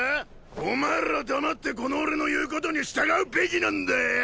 お前らは黙ってこの俺の言うことに従うべきなんだよ！